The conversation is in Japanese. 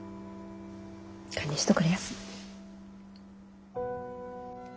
堪忍しとくれやす。